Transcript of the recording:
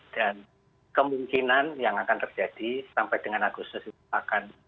dan kemungkinan yang akan terjadi sampai dengan agustus ini akan berubah